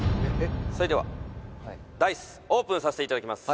それではダイスオープンさせていただきます